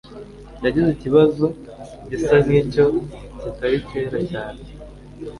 Nagize ikibazo gisa nkicyo kitari kera cyane.